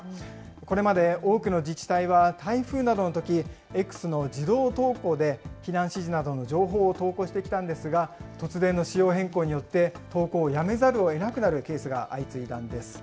これまで多くの自治体は、台風などのとき、Ｘの自動投稿で避難指示などの情報を投稿してきたんですが、突然の仕様変更によって投稿を辞めざるをえなくなるケースが相次いだんです。